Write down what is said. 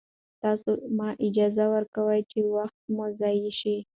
تاسو مه اجازه ورکوئ چې وخت مو ضایع شي.